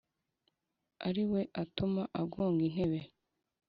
ariwe atuma agonga intebe,